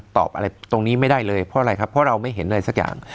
ตอบอะไรตรงนี้ไม่ได้เลยเพราะอะไรครับเพราะเราไม่เห็นอะไรสักอย่าง